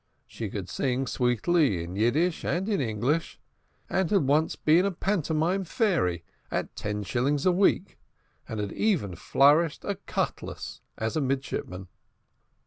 She could sing sweetly in Yiddish and in English, and had once been a pantomime fairy at ten shillings a week, and had even flourished a cutlass as a midshipman.